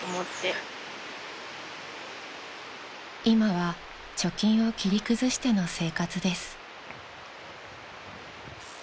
［今は貯金を切り崩しての生活です］